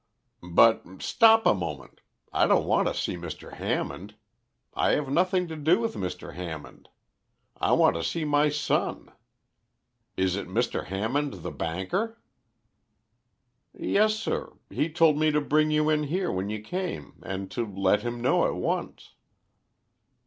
"But stop a moment. I don't want to see Mr. Hammond. I have nothing to do with Mr. Hammond. I want to see my son. Is it Mr. Hammond the banker?" "Yes, sir. He told me to bring you in here when you came and to let him know at once."